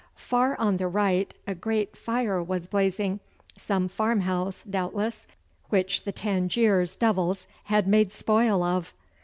Far on the right a great fire was blazing some farmhouse, doubtless, which the Tangiers devils had made spoil of.